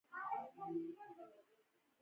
ښایست دې کم شه